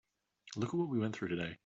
Look at what we went through today.